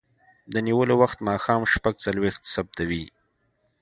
د نیولو وخت ماښام شپږ څلویښت ثبتوي.